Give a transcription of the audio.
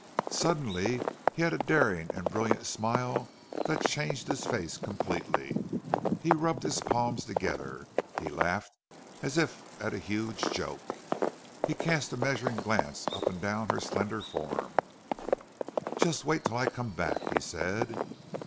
Suddenly he had a daring and brilliant smile that changed his face completely. He rubbed his palms together. He laughed as if at a huge joke. He cast a measuring glance up and down her slender form. "Just wait till I come back," he said.